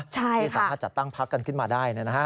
ใช่ค่ะที่สามารถจัดตั้งพักกันขึ้นมาได้นะ